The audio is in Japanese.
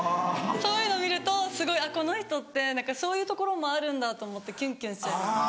そういうの見るとすごいあっこの人って何かそういうところもあるんだと思ってキュンキュンする。